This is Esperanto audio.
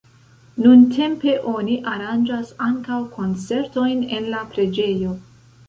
Nuntempe oni aranĝas ankaŭ koncertojn en la preĝejo.